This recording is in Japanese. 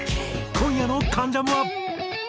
今夜の『関ジャム』は。